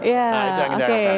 nah itu yang kita harapkan